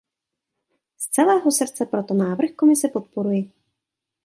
Z celého srdce proto návrh Komise podporuji.